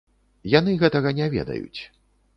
Яны гэтага не ведаюць.